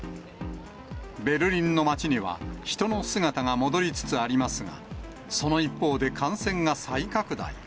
ベルリンの街には、人の姿が戻りつつありますが、その一方で感染が再拡大。